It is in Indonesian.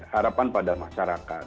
harapan pada masyarakat